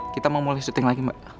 kita mau mulai syuting lagi mbak